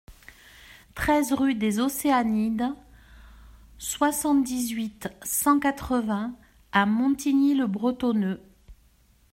treize rue des Océanides, soixante-dix-huit, cent quatre-vingts à Montigny-le-Bretonneux